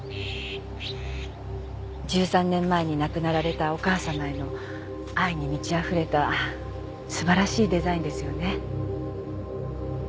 １３年前に亡くなられたお母様への愛に満ちあふれた素晴らしいデザインですよね。